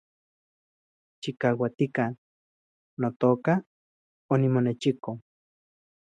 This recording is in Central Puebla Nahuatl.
Chikauatika, notoka , onimonechiko